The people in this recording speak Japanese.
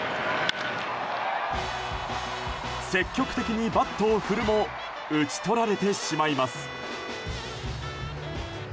積極的にバットを振るも打ち取られてしまいます。